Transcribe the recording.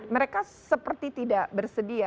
mereka seperti tidak bersedia